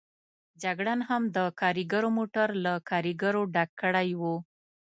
جګړن هم د کاریګرو موټر له کاریګرو ډک کړی و.